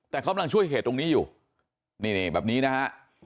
แต่กำลังช่วยเหตุตรงนี้อยู่นี่แบบนี้นะฮะ